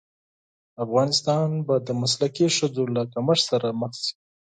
افغانستان به د مسلکي ښځو له کمښت سره مخ شي.